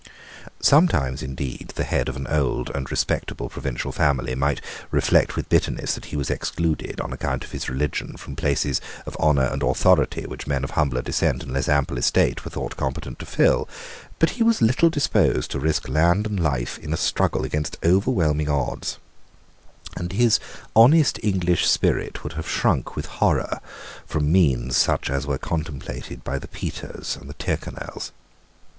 Sometimes, indeed, the head of an old and respectable provincial family might reflect with bitterness that he was excluded, on account of his religion, from places of honour and authority which men of humbler descent and less ample estate were thought competent to fill: but he was little disposed to risk land and life in a struggle against overwhelming odds; and his honest English spirit would have shrunk with horror from means such as were contemplated by the Petres and Tyrconnels.